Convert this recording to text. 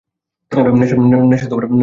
নেশা অনেক ক্ষণ ছুটিয়া গেছে।